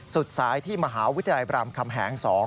สุดท้ายที่มหาวิทยาลัยบรามคำแหง๒